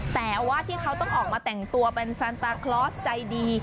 แต่ว่าที่เขาต้องออกมาแต่งตัวเป็นซันตาคลอสใจดี